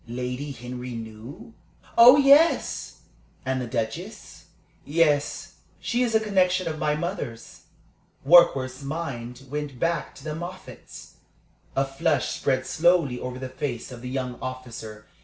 "Lady Henry knew?" "Oh yes!" "And the Duchess?" "Yes. She is a connection of my mother's." Warkworth's mind went back to the Moffatts. A flush spread slowly over the face of the young officer.